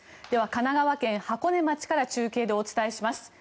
では神奈川県箱根町から中継でお伝えします。